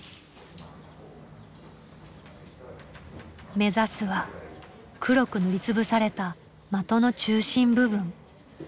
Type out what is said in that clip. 目指すは黒く塗りつぶされた的の中心部分。